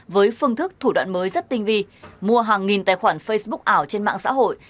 với phương thức thủ đoạn mới rất tinh vi mua hàng nghìn tài khoản facebook ảo trên mạng xã hội